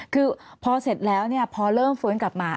คือพอเสร็จแล้วพอเริ่มฟื้นกลับมา